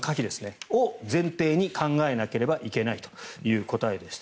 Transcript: それを前提に考えなければいけないという答えでした。